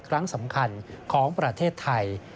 ครั้งสำคัญของประเทศไทย